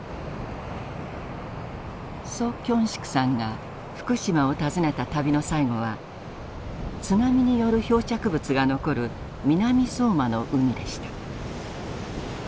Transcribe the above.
徐京植さんが福島を訪ねた旅の最後は津波による漂着物が残る南相馬の海でした。